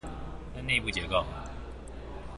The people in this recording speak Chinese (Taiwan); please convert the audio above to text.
內部結構：